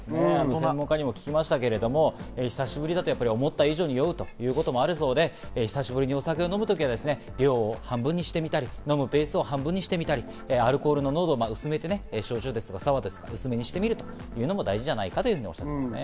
他にも聞きましたけど、久しぶりだと思った以上に酔うということもあるそうで、久しぶりにお酒を飲むときは、量を半分にしてみたり飲むペースを半分にしてみたり、アルコールの濃度を薄めにしてみるというのも大事じゃないかということですね。